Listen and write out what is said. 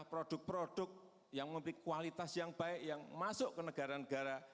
produk produk yang memiliki kualitas yang baik yang masuk ke negara negara